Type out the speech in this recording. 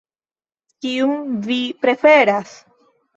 Kiun vi preferas?